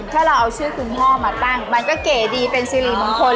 ถ้าเราเอาชื่อคุณพ่อมาตั้งมันก็เก๋ดีเป็นสิริมงคล